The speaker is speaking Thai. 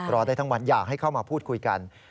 ได้ทั้งวันอยากให้เข้ามาพูดคุยกัน